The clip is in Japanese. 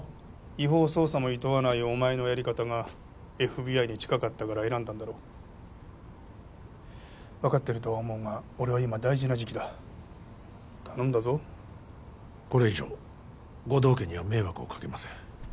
違法捜査もいとわないお前のやり方がＦＢＩに近かったから選んだんだろう分かってるとは思うが俺は今大事な時期だ頼んだぞこれ以上護道家には迷惑をかけません